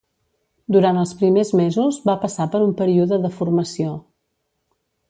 Durant els primers mesos va passar per un període de formació.